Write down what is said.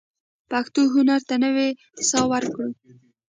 پښتو هنر ته نوې ساه ورکړو.